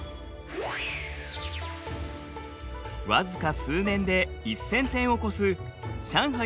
僅か数年で１，０００店を超す上海